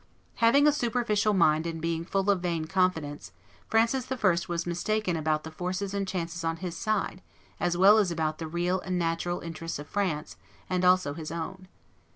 Having a superficial mind and being full of vain confidence, Francis I. was mistaken about the forces and chances on his side, as well as about the real and natural interests of France, and also his own.